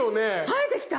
生えてきた。